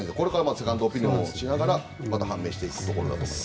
セカンドオピニオンをしながらまた判明していくところだと思います。